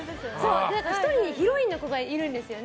１人、ヒロインの子がいるんですね。